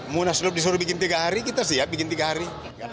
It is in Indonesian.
munaslup disuruh bikin tiga hari kita siap bikin tiga hari